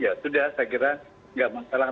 ya sudah saya kira nggak masalah